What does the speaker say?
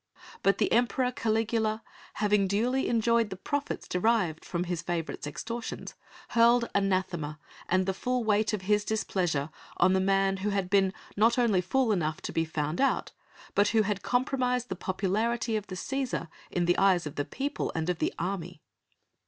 But the Emperor Caligula, having duly enjoyed the profits derived from his favourite's extortions, hurled anathema and the full weight of his displeasure on the man who had been not only fool enough to be found out, but who had compromised the popularity of the Cæsar in the eyes of the people and of the army.